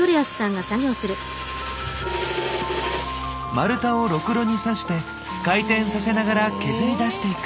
丸太をろくろに刺して回転させながら削り出していく。